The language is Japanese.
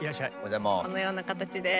このような形で。